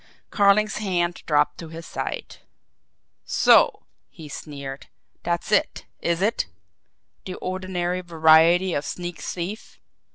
Carling's hand dropped to his side. "So!" he sneered. "That's it, is it! The ordinary variety of sneak thief!"